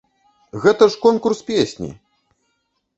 Гэта ж конкурс песні!